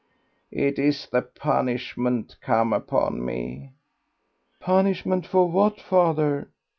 It is the punishment come upon me." "Punishment for what, father?"